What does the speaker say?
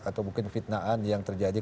atau mungkin fitnahan yang terjadi